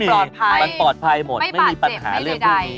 ปลอดภัยไม่ปลาดเจ็บไม่ใดมันปลอดภัยหมดไม่มีปัญหาเรื่องพวกนี้